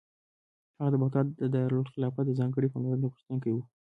هغه د بغداد د دارالخلافت د ځانګړې پاملرنې غوښتونکی و.